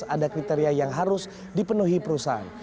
ada kriteria yang harus dipenuhi perusahaan